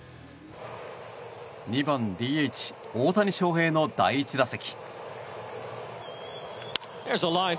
２番ＤＨ、大谷翔平の第１打席。